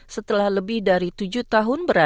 sebuah perusahaan yang eating house lp